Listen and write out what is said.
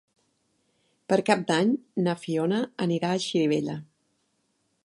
Per Cap d'Any na Fiona anirà a Xirivella.